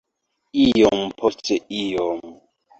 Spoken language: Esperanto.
iom post iom